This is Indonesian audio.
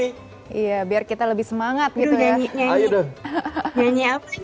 iya biar kita lebih semangat gitu ya